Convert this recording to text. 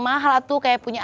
nih pake motornya